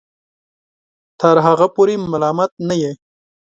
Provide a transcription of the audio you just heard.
تر هغه پورې ملامت نه یې